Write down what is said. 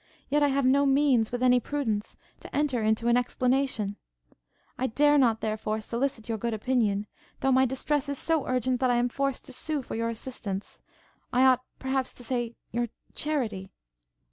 Yet I have no means, with any prudence, to enter into an explanation: I dare not, therefore, solicit your good opinion, though my distress is so urgent, that I am forced to sue for your assistance, I ought, perhaps, to say your charity!'